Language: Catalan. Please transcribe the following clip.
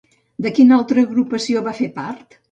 De quina altra agrupació va fer part?